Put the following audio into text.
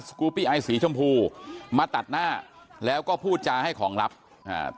กูปี้ไอสีชมพูมาตัดหน้าแล้วก็พูดจาให้ของลับอ่า